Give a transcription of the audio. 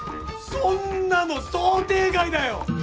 そんなの想定外だよ！